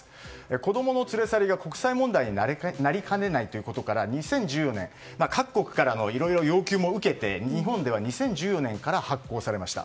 子供の連れ去りが国際問題になりかねないということから２０１４年、各国からのいろいろな要求も受けて日本では２０１４年から発効されました。